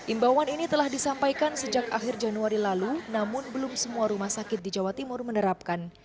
imbauan ini telah disampaikan sejak akhir januari lalu namun belum semua rumah sakit di jawa timur menerapkan